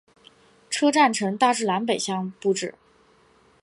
车站呈大致南北向布置。